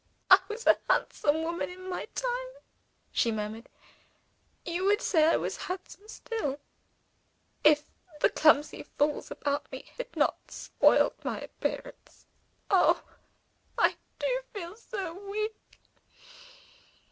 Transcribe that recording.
"I was a handsome woman in my time," she murmured. "You would say I was handsome still, if the clumsy fools about me had not spoiled my appearance. Oh, I do feel so weak!